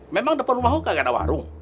memang depan rumah lo kagak ada warung